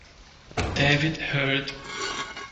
David Herd